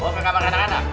mau ke kamar anak anak